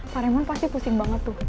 pak remon pasti pusing banget tuh